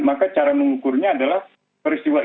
maka cara mengukurnya adalah peristiwa ini